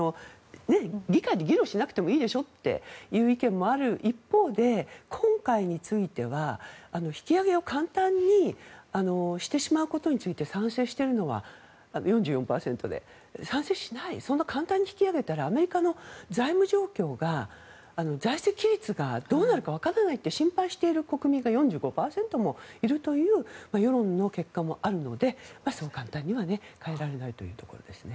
議会で議論しなくてもいいでしょという意見もある一方で今回については、引き上げを簡単にしてしまうことについて賛成しているのは４４％で賛成しないそんな簡単に引き上げたらアメリカの財務状況が財政規律がどうなるかわからないと心配している国民が４５％もいるという世論の結果もあるのでそう簡単には変えられないというところですね。